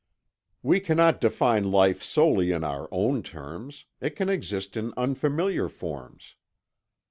We cannot define life solely in our own terms; it can exist in unfamiliar forms.